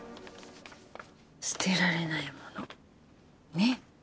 捨てられないものねっ。